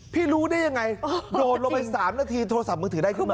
รู้ได้ยังไงโดดลงไป๓นาทีโทรศัพท์มือถือได้ขึ้นมา